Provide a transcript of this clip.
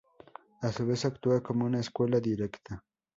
A su vez actúa como una secuela directa.